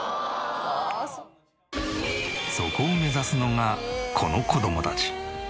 そこを目指すのがこの子どもたち。